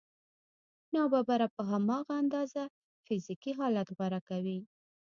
ناببره په هماغه اندازه فزیکي حالت غوره کوي